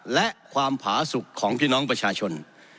และความผาสุขของพี่น้องประชาชน